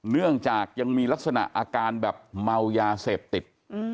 เนื่องจากยังมีลักษณะอาการแบบเมายาเสพติด